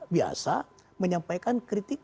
biasa menyampaikan kritik